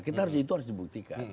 itu harus dibuktikan